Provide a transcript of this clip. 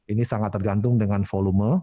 ini sangat tergantung dengan volume